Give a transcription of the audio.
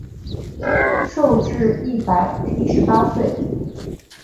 寿至一百一十八岁。